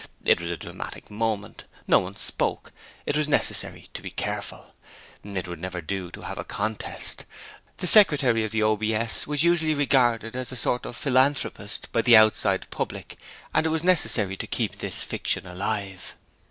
It was a dramatic moment. No one spoke. It was necessary to be careful. It would never do to have a contest. The Secretary of the OBS was usually regarded as a sort of philanthropist by the outside public, and it was necessary to keep this fiction alive.